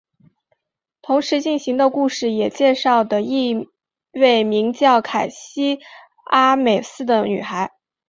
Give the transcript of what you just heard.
同时进行的故事也介绍的一位名叫凯西阿美斯的女孩。